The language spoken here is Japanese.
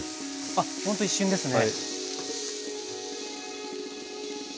あっほんと一瞬ですね。